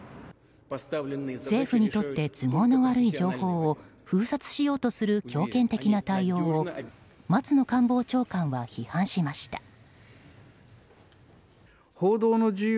政府にとって都合の悪い情報を封殺しようとする強権的な対応を松野官房長官は批判しました。